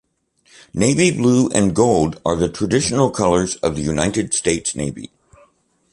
Navy blue and gold are the traditional colors of the United States Navy.